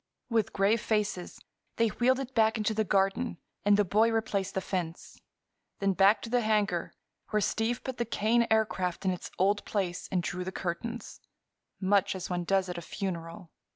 With grave faces they wheeled it back into the garden and the boy replaced the fence. Then back to the hangar, where Steve put the Kane Aircraft in its old place and drew the curtains—much as one does at a funeral.